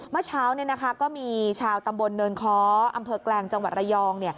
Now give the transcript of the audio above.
เมื่อเช้าก็มีชาวตำบลเนินค้ออำเภอแกลงจังหวัดระยอง